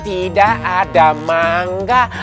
tidak ada manggah